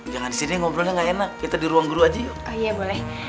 jangan sih ngobrolnya enak itu di ruang guru aja ya boleh